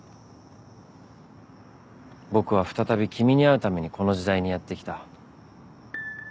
僕は再び君に会うためにこの時代にやって来た。